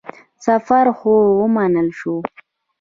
سفر خو ومنل شو.